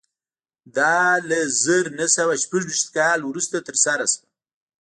دا له زر نه سوه شپږ ویشت کال وروسته ترسره شوه